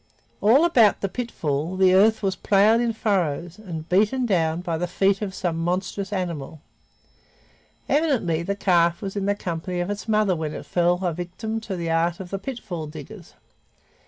All about the pitfall the earth was plowed in furrows and beaten down by the feet of some monstrous animal. Evidently the calf was in the company of its mother when it fell a victim to the art of the pitfall diggers.